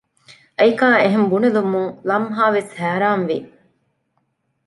އައިކާ އެހެން ބުނެލުމުން ލަމްހާވެސް ހައިރާންވި